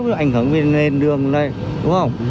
ví dụ ảnh hưởng đến đường này đúng không